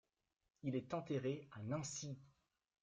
Il est enterré à Nancy.